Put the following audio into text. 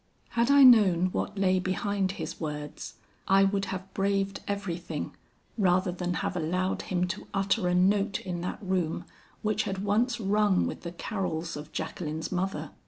"Had I known what lay behind his words, I would have braved everything rather than have allowed him to utter a note in that room which had once rung with the carols of Jacqueline's mother.